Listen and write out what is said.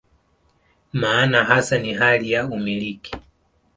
Maana hasa ni hali ya "umiliki".